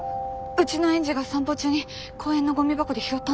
うちの園児が散歩中に公園のゴミ箱で拾ったんです。